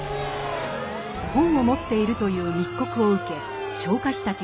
本を持っているという密告を受け昇火士たちが急行。